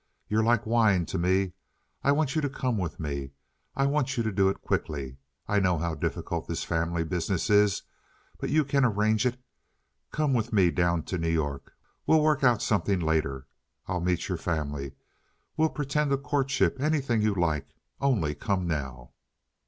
You're like wine to me. I want you to come with me. I want you to do it quickly. I know how difficult this family business is, but you can arrange it. Come with me down to New York. We'll work out something later. I'll meet your family. We'll pretend a courtship, anything you like—only come now."